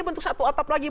bentuk satu atap lagi